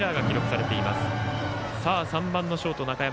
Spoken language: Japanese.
３番のショート、中山。